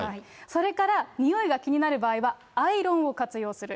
それから、臭いが気になる場合は、アイロンを活用する。